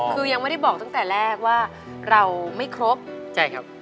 คือยังไม่ได้บอกตั้งแต่แรกว่าเราไม่ครบใช่ครับ